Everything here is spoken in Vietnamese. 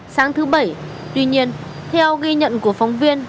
sáng thứ bảy tuy nhiên theo ghi nhận của phóng viên